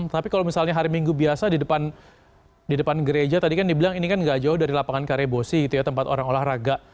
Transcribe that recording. tapi kalau misalnya hari minggu biasa di depan gereja tadi kan dibilang ini kan gak jauh dari lapangan karebosi tempat orang olahraga